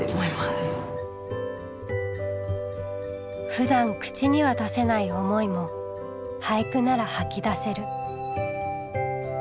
ふだん口には出せない思いも俳句なら吐き出せる。